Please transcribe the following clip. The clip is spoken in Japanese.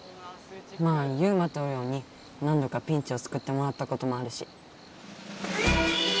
まあユウマとオリオンに何度かピンチをすくってもらったこともあるし。